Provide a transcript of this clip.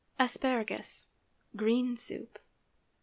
ASPARAGUS (_Green soup.